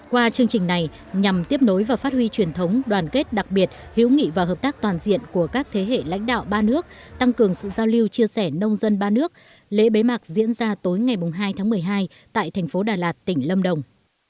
qua chương trình này nhằm tiếp nối và phát huy truyền thống đoàn kết đặc biệt hiếu nghị và hợp tác toàn diện của các thế hệ lãnh đạo ba nước tăng cường sự giao lưu chia sẻ nông dân ba nước lễ bế mạc diễn ra tối ngày hai tháng một mươi hai tại thành phố đà lạt tỉnh lâm đồng